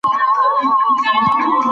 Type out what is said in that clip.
کمپيوټر نېټه ښيي.